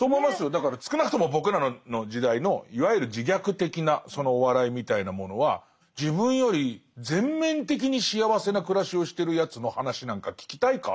だから少なくとも僕らの時代のいわゆる自虐的なお笑いみたいなものは自分より全面的に幸せな暮らしをしてるやつの話なんか聞きたいか？